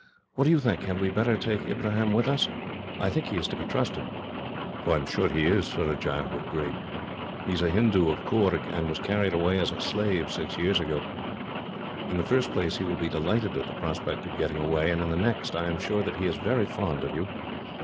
What do you think? Had we better take Ibrahim with us? I think he is to be trusted." "I am sure he is," Surajah agreed. "He is a Hindoo of Coorg, and was carried away as a slave, six years ago. In the first place, he will be delighted at the prospect of getting away; and in the next, I am sure that he is very fond of you.